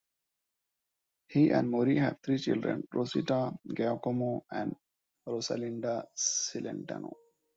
He and Mori have three children, Rosita, Giacomo and Rosalinda Celentano.